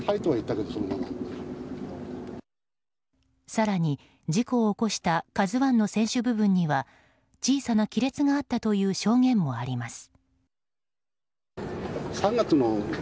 更に、事故を起こした「ＫＡＺＵ１」の船首部分には小さな亀裂があったという証言もあります。